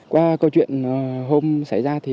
qua câu chuyện hôm xảy ra